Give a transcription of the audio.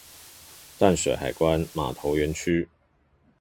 淡水海關碼頭園區